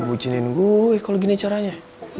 bucinin gue kalau gini caranya